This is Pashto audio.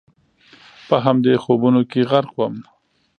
په همدې خوبونو کې غرق ووم.